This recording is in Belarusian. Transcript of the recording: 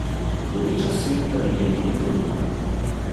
Былі часы, калі яе не было.